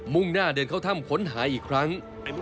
่งหน้าเดินเข้าถ้ำค้นหาอีกครั้ง